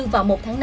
và một tháng năm